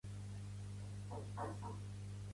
Josep Pau i Pernau és un polític nascut a Arbeca.